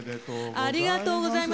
ありがとうございます。